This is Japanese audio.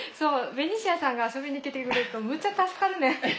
ベニシアさんが遊びに来てくれるとむちゃ助かるねん。